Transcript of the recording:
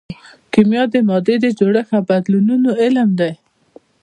کیمیا د مادې د جوړښت او بدلونونو علم دی.